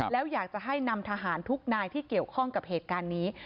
แล้วอยากจะให้นำทหารทุกนายที่เกี่ยวข้องกับเหตุการณ์นี้